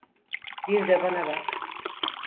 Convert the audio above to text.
Bir de bana bak.